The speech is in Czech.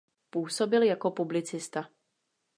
Působil jako publicista.